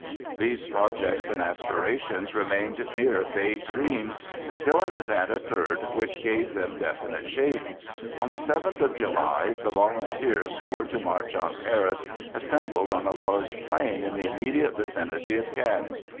These projects and aspirations remained mere vague dreams, until an event occurred which gave them definite shape. On the seventh of July the volunteers who were to march on Paris assembled on a large plain in the immediate vicinity of Caen.